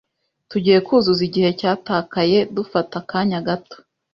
Tugiye kuzuza igihe cyatakaye dufata akanya gato.